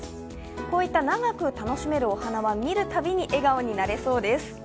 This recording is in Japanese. こういった長く楽しめるお花は見るたびに笑顔になれそうです。